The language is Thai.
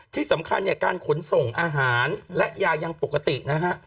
ที่สำคัญเนี่ยการขนส่งอาหารและยายังปกตินะฮะ